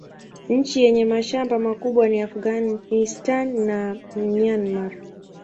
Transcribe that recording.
Nchi yenye mashamba makubwa ni Afghanistan na Myanmar.